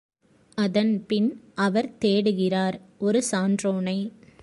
அதன்பின் அவர் தேடுகிறார் ஒரு சான்றோனை.